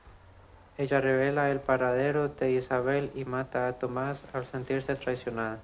Ella revela el paradero de Isabel y mata a Tomás al sentirse traicionada.